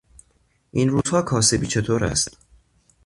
این روزها کاسبی چطور است؟